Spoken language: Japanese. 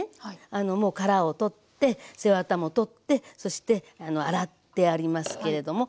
あのもう殻を取って背ワタも取ってそして洗ってありますけれども。